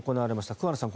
桑野さん